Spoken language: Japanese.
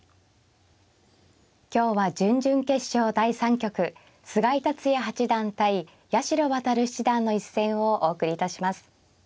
今日は準々決勝第３局菅井竜也八段対八代弥七段の一戦をお送りいたします。